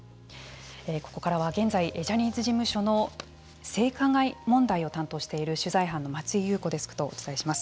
ここからは現在ジャニーズ事務所の性加害問題を担当している取材班の松井裕子デスクとお伝えします。